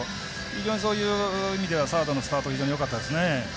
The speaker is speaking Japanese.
非常にそういう意味ではサードのスタート非常によかったですね。